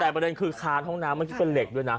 แต่ประเด็นคือคานห้องน้ำเมื่อกี้เป็นเหล็กด้วยนะ